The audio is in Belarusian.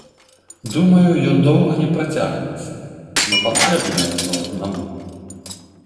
Думаю, ён доўга не працягнецца, мы патрэбныя адно аднаму.